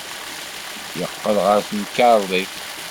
Yeqqel ɣer temkarḍit.